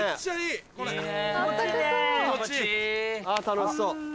楽しそう。